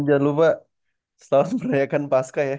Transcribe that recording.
oh jangan lupa setelah merayakan pasca ya